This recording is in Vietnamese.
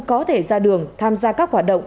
có thể ra đường tham gia các hoạt động